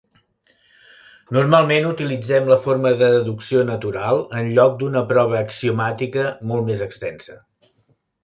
Normalment utilitzem la forma de deducció natural en lloc d'una prova axiomàtica molt més extensa.